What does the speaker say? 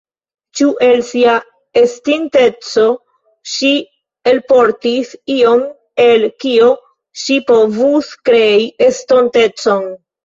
Ĉu el sia estinteco ŝi elportis ion, el kio ŝi povus krei estontecon?